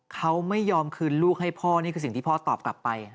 เขาไม่ยอมคืนลูกให้พ่อนี่คือสิ่งที่พ่อตอบกลับไป